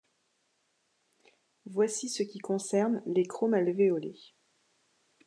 Voici ce qui concerne les Chromalvéolés.